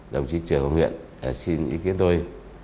đồng chí trường hồng nguyễn lại xin ý kiến tôi